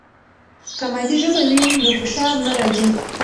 که مادي ژبه وي نو فشار نه راځي.